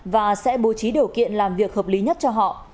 và sẽ bố trí điều kiện làm việc hợp lý nhất cho họ